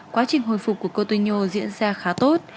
quá trình hồi phục của coteno diễn ra khá tốt